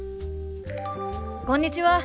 こんにちは。